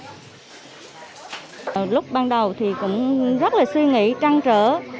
lúc ban đầu thì cũng rất là suy nghĩ trăng trở